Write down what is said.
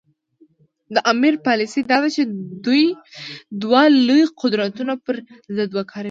د امیر پالیسي دا ده چې دوه لوی قدرتونه پر ضد وکاروي.